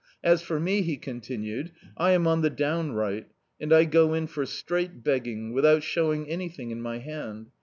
As for me," he ctmtinucd, "I am on die downri^t, and I go in for strai^t begging, without showing anything in my hand.